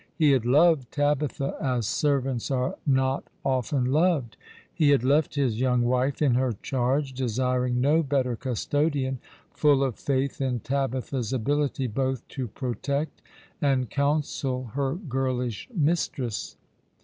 He had loved Tabitha as servants are not often loved. He had left his young wife in her charge, desiring no better custodian, full of faith in Tabitha's ability both to protect and counsel her girlish mistress.